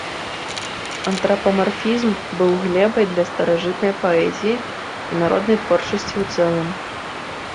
Антрапамарфізм быў глебай для старажытнай паэзіі і народнай творчасці ў цэлым.